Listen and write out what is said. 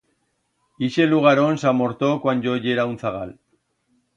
Ixe lugarón s'amortó cuan yo yera un zagal.